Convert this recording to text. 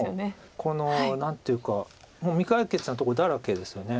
この何ていうか未解決なとこだらけですよね。